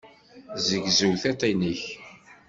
Tezzegzew tiṭ-nnek.